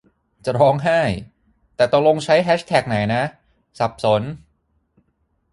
จะร้องไห้ แต่ตกลงใช้แฮชแท็กไหนนะ สับสน